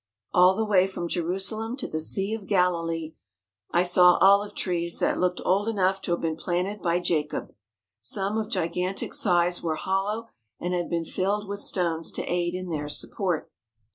All the way from Jerusalem to the Sea of Galilee I saw olive trees that looked old enough to have been planted by Jacob. Some of gigantic size were hollow and had been filled with stones to aid in their support.